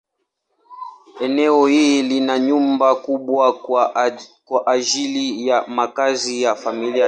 Eneo hili lina nyumba kubwa kwa ajili ya makazi ya familia tajiri.